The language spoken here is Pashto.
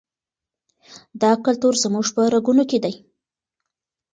دا کلتور زموږ په رګونو کې دی.